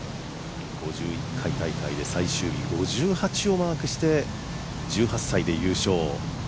５１回大会で最終日に５８をマークして１８歳で優勝。